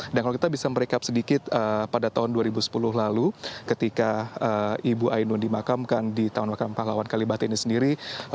dan kalau kita bisa merekap sedikit pada tahun dua ribu sepuluh lalu ketika ibu ainun dimakamkan di taman makam pahlawan kalibata ini sendiri